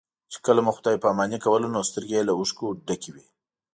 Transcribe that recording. چې کله مو خدای پاماني کوله نو سترګې یې له اوښکو ډکې وې.